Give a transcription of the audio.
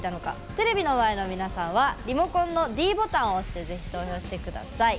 テレビの前の皆さんはリモコンのｄボタンを押してぜひ投票してください。